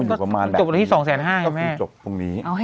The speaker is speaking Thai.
จบที่๒แสน๕ไงแม่